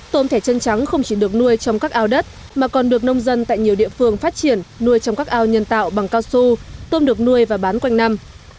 tôm thẻ chân trắng không chỉ được nuôi trong các ao đất mà còn được nông dân tại nhiều địa phương phát triển nuôi trong các ao nhân tạo bằng cao su tôm được nuôi và bán quanh năm